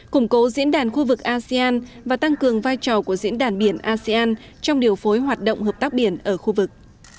củng cố diễn đàn khu vực asean và tăng cường vai trò của diễn đàn biển asean trong điều phối hoạt động hợp tác biển ở khu vực